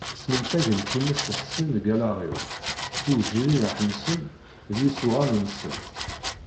Smentagen times yexsin deg allaɣ-iw s uwejrireḥ-nsen d yisuɣan-nsent.